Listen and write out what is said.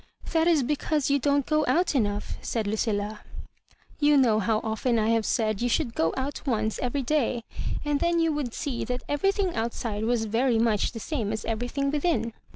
" That is because you don't go out enough," said Lucilla. " You know how often I have said yQu should go out once every day ; and then you would see that everything outside was very much the same as everything within."